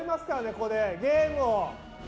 ここでゲームを。